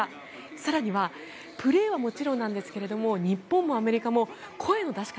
更にはプレーはもちろんなんですが日本もアメリカも声の出し方